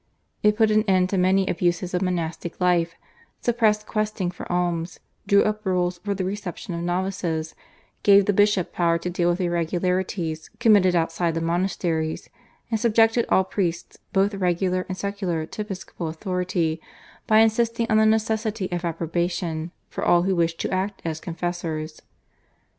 It put an end to many abuses of monastic life, suppressed questing for alms, drew up rules for the reception of novices, gave the bishop power to deal with irregularities committed outside the monasteries, and subjected all priests both regular and secular to episcopal authority by insisting on the necessity of Approbation for all who wished to act as confessors.